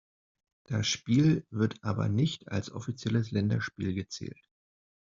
Das Spiel wird aber nicht als offizielles Länderspiel gezählt.